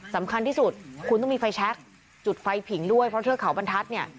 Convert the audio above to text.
สำคัญที่สุดคุณต้องมีไฟแชคจุดไฟผิงด้วยเพราะเทือกเขาบรรทัศน์เนี่ย